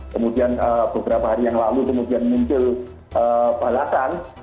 kemudian beberapa hari yang lalu kemudian muncul balasan